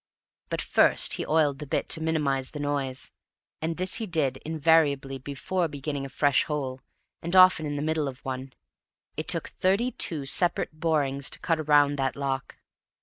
But first he oiled the bit to minimize the noise, and this he did invariably before beginning a fresh hole, and often in the middle of one. It took thirty two separate borings to cut around that lock.